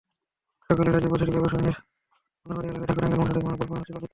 সকালে গাজীপুর সিটি করপোরেশনের কোনাবাড়ী এলাকায় ঢাকা-টাঙ্গাইল মহাসড়কে মানববন্ধন কর্মসূচি পালিত হয়।